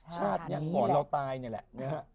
ชาตินี่ก่อนเราตายนี่แหละ